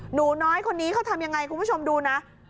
หนูน้อยคนนี้เขาทำยังไงคุณผู้ชมดูนะ